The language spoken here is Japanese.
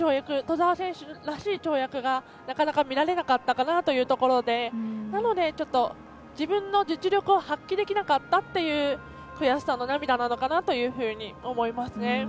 兎澤選手らしい跳躍がなかなか見られなかったかなというところで、なので自分の実力を発揮できなかったという意味の悔しさの涙だったのかなと思います。